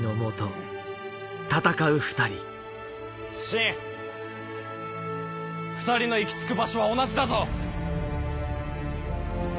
信２人の行き着く場所は同じだぞ！